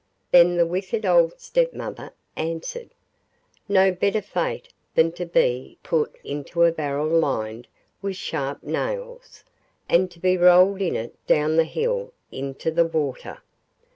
Then the wicked old stepmother answered: 'No better fate than to be put into a barrel lined with sharp nails, and to be rolled in it down the hill into the water.